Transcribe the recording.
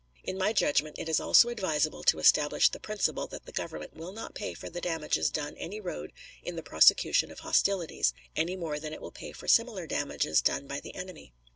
In my judgment it is also advisable to establish the principle that the Government will not pay for the damages done any road in the prosecution of hostilities, any more than it will pay for similar damages done by the enemy.